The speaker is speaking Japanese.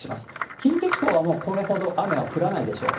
近畿地方はもうこれほど雨は降らないでしょう。